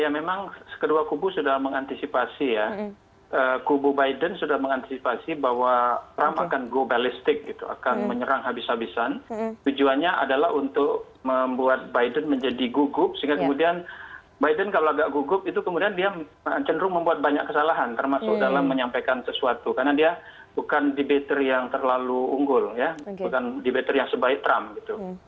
ya memang kedua kubu sudah mengantisipasi ya kubu biden sudah mengantisipasi bahwa trump akan go ballistic gitu akan menyerang habis habisan tujuannya adalah untuk membuat biden menjadi gugup sehingga kemudian biden kalau agak gugup itu kemudian dia cenderung membuat banyak kesalahan termasuk dalam menyampaikan sesuatu karena dia bukan debater yang terlalu unggul ya bukan debater yang sebaik trump gitu